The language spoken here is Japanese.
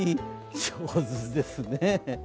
上手ですね。